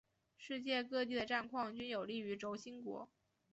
世界各地的战况均有利于轴心国。